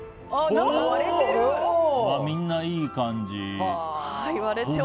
みんないい感じ。